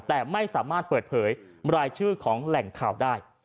แต่ไม่สามารถเปิดเผยรายชื่อของแหล่งข่าวได้